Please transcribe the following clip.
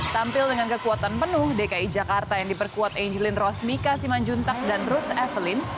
tampil dengan kekuatan penuh dki jakarta yang diperkuat angelin rosmika simanjuntak dan ruth evelyn